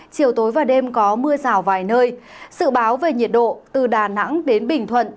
chiều tối và đêm có mưa rào vài nơi sự báo về nhiệt độ từ đà nẵng đến bình thuận